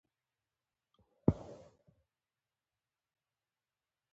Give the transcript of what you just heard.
لاندي کړي یې سلګونه وه ملکونه